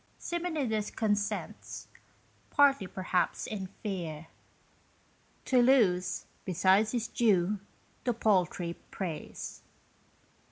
Simonides consents, partly, perhaps, in fear To lose, besides his due, the paltry praise.